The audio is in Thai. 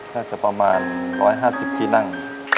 ก็จะประมาณ๑๕๐ที่นั่ง